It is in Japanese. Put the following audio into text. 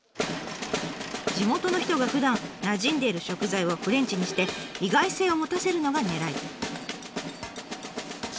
地元の人がふだんなじんでいる食材をフレンチにして意外性を持たせるのがねらい。